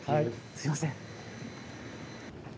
すいません。